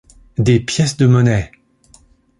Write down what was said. Des pièces de monnaie!...